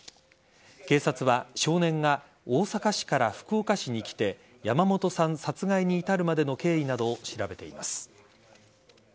警察は少年が大阪市から福岡市に来て山本さん殺害に至るまでの経緯などを調べています。